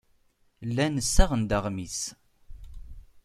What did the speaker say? Llan ssaɣen-d aɣmis.